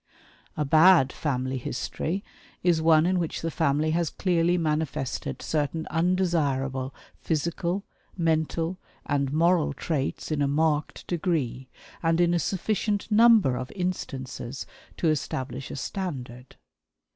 A "bad family history" is one in which the family has clearly manifested certain undesirable physical, mental, and moral traits in a marked degree, and in a sufficient number of instances to establish a standard.